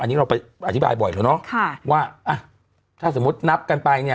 คุณฟังว่าถ้าสมมตินับกันไปเนี่ย